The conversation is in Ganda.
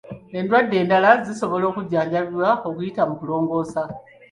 Endwadde endala zisobola kujjanjabibwa kuyita mu kulongoosa